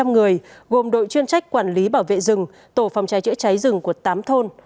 người gồm đội chuyên trách quản lý bảo vệ rừng tổ phòng cháy chữa cháy rừng của tám thôn